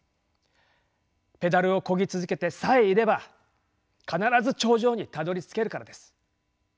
ペダルをこぎ続けてさえいれば必ず頂上にたどりつけるからです。